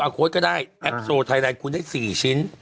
โค้ดก็ได้แอปโซไทยแลนด์คุณได้๔ชิ้น